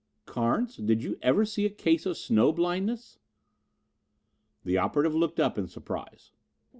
"Carnes, did you ever see a case of snow blindness?" The operative looked up in surprise.